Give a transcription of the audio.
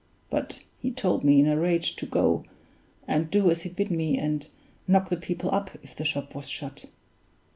But he told me in a rage to go and do as he bid me, and knock the people up if the shop was shut.